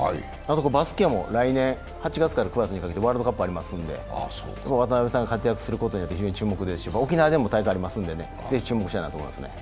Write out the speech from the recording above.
バスケも来年８月から９月にかけてワールドカップありますので渡邊さんが活躍することに非常に注目ですし沖縄でも大会がありますので、ぜひ注目したいなと思いますね。